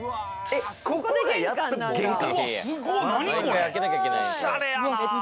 ここがやっと玄関？